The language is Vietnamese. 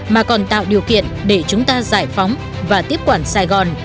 mà còn tạo điều kiện để chúng ta giải phóng và tiếp quản sài gòn